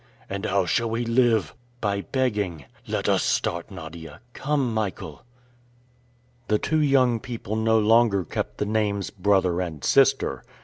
"And how shall we live?" "By begging." "Let us start, Nadia." "Come, Michael." The two young people no longer kept the names "brother" and "sister."